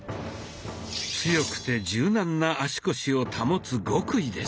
強くて柔軟な足腰を保つ極意です。